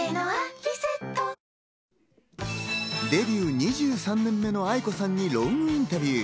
２３年目のａｉｋｏさんにロングインタビュー。